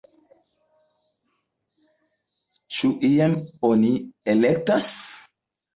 Ĉu iam oni elektas?